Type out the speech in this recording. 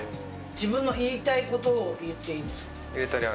自分の言いたいことを入れていいんですか？